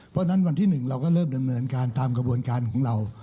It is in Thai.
เพราะฉะนั้นวันที่๑เราก็เริ่มดำเนินการตามกระบวนการของเรา